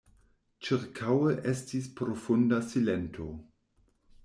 Ĉirkaŭe estis profunda silento.